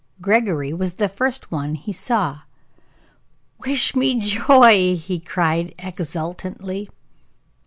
Gregory was the first one he saw. "Wish me joy!" he cried, exultantly.